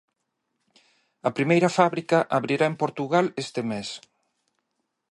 A primeira fábrica abrirá en Portugal este mes.